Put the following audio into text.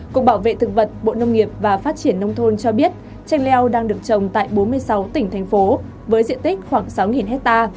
cục bảo vệ thực vật bộ nông nghiệp và phát triển nông thôn cho biết chanh leo đang được trồng tại bốn mươi sáu tỉnh thành phố với diện tích khoảng sáu ha